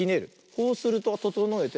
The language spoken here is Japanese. こうするとととのえて。